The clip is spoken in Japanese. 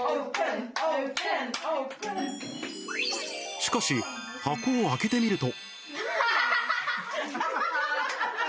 しかし、箱を開けてみると。